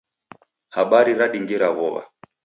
Habari radingira w'ow'a.